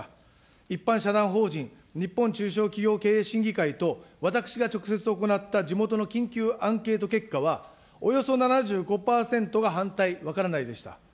一般社団法人日本中小企業経営審議会と私が直接行った地元の緊急アンケート結果は、およそ７５％が反対、分からないでした。